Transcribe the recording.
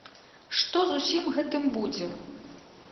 Што з усім гэтым будзе?